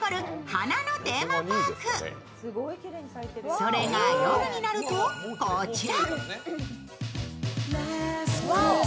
それが夜になると、こちら。